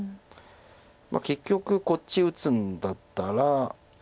結局こっち打つんだったら。